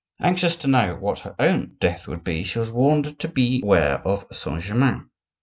Anxious to know what her own death would be, she was warned to beware of Saint Germain.